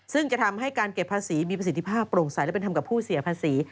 ซึ่งจะทำให้การเก็บภาษีมีประสิทธิภาพโปร่งใสและเป็นทำกับผู้เสียภาษี